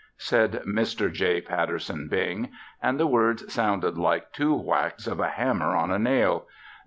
_" said Mr. J. Patterson Bing, and the words sounded like two whacks of a hammer on a nail.